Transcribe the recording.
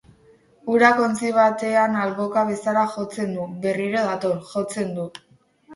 Urak ontzi baten alboak bezala jotzen du, berriro dator, jotzen du.